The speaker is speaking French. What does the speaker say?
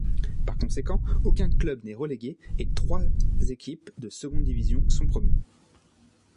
Par conséquent, aucun club n'est relégué et trois équipes de seconde division sont promues.